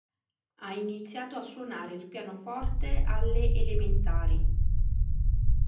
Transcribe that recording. Ha iniziato a suonare il pianoforte alle elementari.